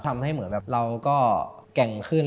ทำให้เหมือนแบบเราก็แกร่งขึ้น